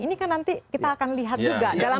ini kan nanti kita akan lihat juga